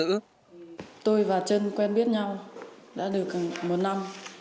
tôi và chân quen biết nhau đã được một năm